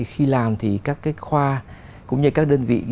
khi làm thì các cái khoa cũng như các đơn vị